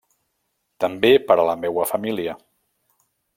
També per a la meua família.